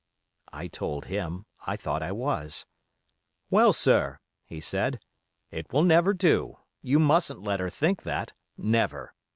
I told him I thought I was. 'Well, sir,' he said, 'it will never do; you mustn't let her think that—never.